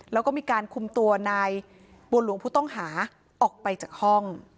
แล้วก็มีการคุมตัวนายบัวหลวงผู้ต้องหาออกไปจากห้อง